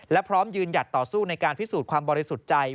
และพร้อมยืนหยัดต่อสู้ในการพิสูจน์ความบริสุทธิ์ใจ